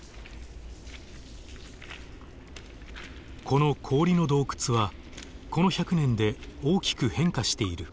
この氷の洞窟はこの１００年で大きく変化している。